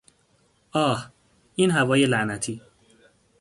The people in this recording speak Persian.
آه، این هوای لعنتی!